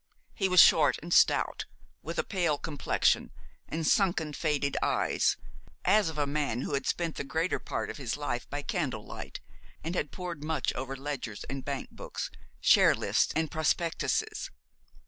He was short and stout, with a pale complexion, and sunken faded eyes, as of a man who had spent the greater part of his life by candle light, and had pored much over ledgers and bank books, share lists and prospectuses.